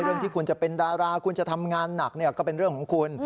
เรื่องที่คุณจะเป็นดาราคุณจะทำงานหนักก็เป็นเรื่องของคุณ